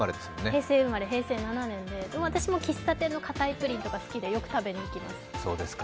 平成生まれ、平成７年で、私も喫茶店のかたいプリン、好きでよく食べにいきます。